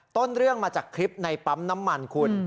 ต้นเรื่องมาจากคลิปในปั๊มน้ำมันคุณ